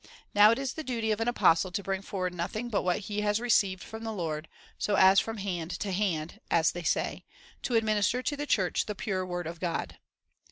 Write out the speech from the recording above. Now it is the duty of an apostle to bring forward nothing but what he has received from the Lord, so as from hand to hand"* (as they say) to administer to the Church the pure word of God.